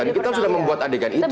jadi kita sudah membuat adegan itu